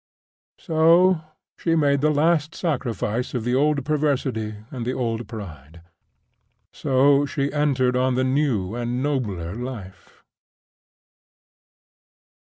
So she made the last sacrifice of the old perversity and the old pride. So she entered on the new and nobler life.